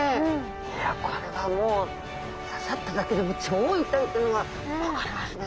いやこれはもう刺さっただけでも超痛いっていうのが分かりますね。